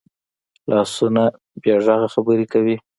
لاسونه بې غږه خبرې کوي